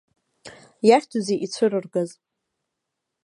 Иахьӡузеи ицәырыргаз?